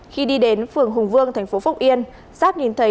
khi đi đến phường hùng vương thành phố phúc yên giáp nhìn thấy